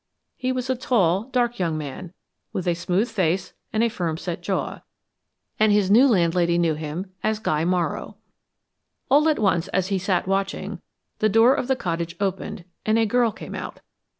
He was a tall, dark young man with a smooth face and firm set jaw, and his new land lady knew him as Guy Morrow. All at once, as he sat watching, the door of the cottage opened, and a girl came out.